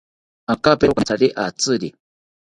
Akapero kamethari atziri